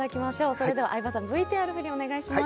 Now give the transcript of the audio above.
それでは、相葉さん、ＶＴＲ振り、お願いします。